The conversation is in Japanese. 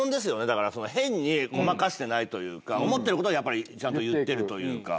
だからその変にごまかしてないというか思ってる事をやっぱりちゃんと言ってるというか。